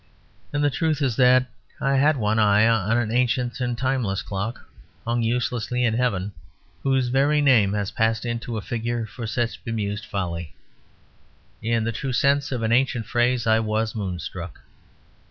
And the truth is that I had one eye on an ancient and timeless clock, hung uselessly in heaven; whose very name has passed into a figure for such bemused folly. In the true sense of an ancient phrase, I was moonstruck.